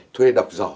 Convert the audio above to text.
thuê đọc rõ